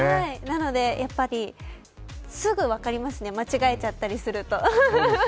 なので、すぐ分かりますね間違えちゃったりすると。